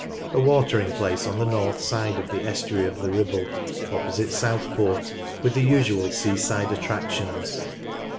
A watering place on the north side of the estuary of the Ribble, opposite Southport, witli the usual sea side attractions.